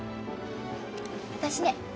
私ね